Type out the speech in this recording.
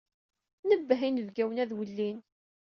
Nebbeh i inebgawen ad wellin.